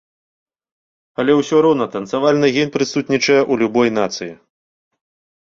Але ўсё роўна танцавальны ген прысутнічае ў любой нацыі.